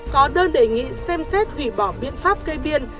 có đơn đề nghị xem xét hủy bỏ biện pháp kê biên